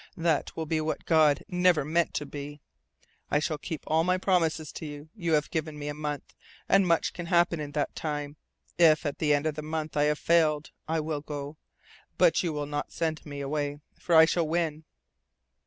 That will be what God never meant to be. I shall keep all my promises to you. You have given me a month, and much can happen in that time. If at the end of the month I have failed I will go. But you will not send me away. For I shall win!"